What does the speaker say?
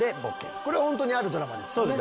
これは本当にあるドラマですよね。